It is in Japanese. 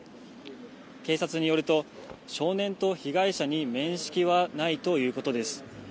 警察によると、少年と被害者に面識はないということです。